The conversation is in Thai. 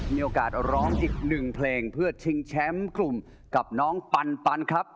มีโอกาสร้องอีกหนึ่งเพลงเพื่อชิงแชมป์กลุ่มกับน้องปันครับ